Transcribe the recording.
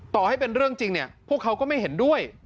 ต่อให้เป็นเรื่องจริงเนี่ยพวกเขาก็ไม่เห็นด้วย